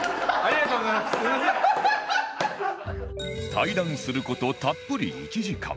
対談する事たっぷり１時間